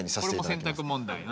これも選択問題。